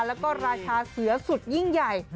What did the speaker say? แล้วก็ราชาเสือสุดยิ่งใหญ่